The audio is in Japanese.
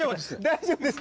大丈夫です。